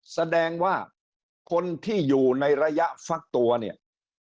แสดงว่าคนที่อยู่ในระยะฟักตัวเนี่ย